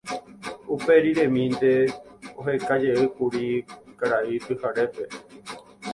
Uperiremínte ohekajeýkuri Karai Pyharépe.